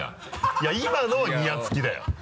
いや今のはニヤつきだよ。